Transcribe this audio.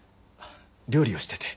料理をしてて。